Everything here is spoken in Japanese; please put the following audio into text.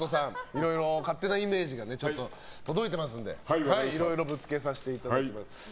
いろいろ勝手なイメージが届いていますのでいろいろぶつけさせていただきます。